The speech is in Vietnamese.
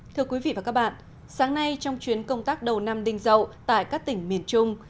thưa quý vị và các bạn sáng nay trong chuyến công tác đầu năm đinh dậu tại các tỉnh miền trung